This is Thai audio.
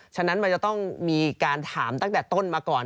ฉะนั้นมันจะต้องมีการถามตั้งแต่ต้นมาก่อน